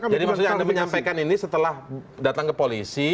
jadi maksudnya anda menyampaikan ini setelah datang ke polisi